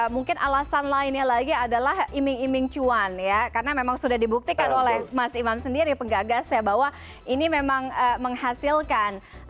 mungkin alasan lainnya lagi adalah iming iming cuan ya karena memang sudah dibuktikan oleh mas imam sendiri penggagas ya bahwa ini memang menghasilkan